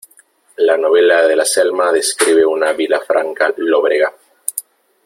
La novela de la Selma describe una Vilafranca lóbrega.